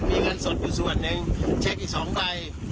มีเงินสดอยู่ส่วนหนึ่งเช็คอีก๒ใบ